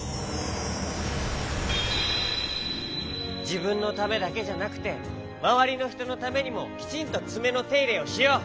じぶんのためだけじゃなくてまわりのひとのためにもきちんとつめのていれをしよう！